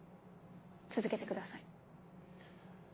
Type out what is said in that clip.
続けてください。